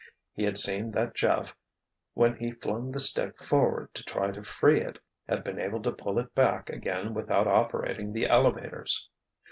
He had seen that Jeff, when he flung the stick forward to try to free it, had been able to pull it back again without operating the elevators.